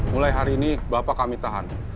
mulai hari ini bapak kami tahan